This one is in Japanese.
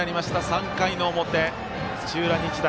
３回の表、土浦日大。